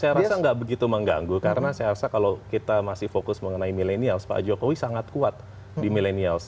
saya rasa nggak begitu mengganggu karena saya rasa kalau kita masih fokus mengenai milenials pak jokowi sangat kuat di milenials